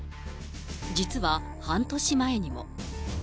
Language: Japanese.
実は半年前にも。